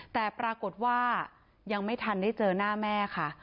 แต่ปรากฏว่ายังไม่ทันได้เจอหน้าแม่ค่ะ